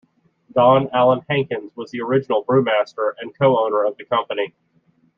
Don Alan Hankins was the original brewmaster and co-owner of the company.